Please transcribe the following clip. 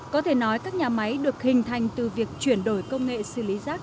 có thể nói các nhà máy được hình thành từ việc chuyển đổi công nghệ xử lý rác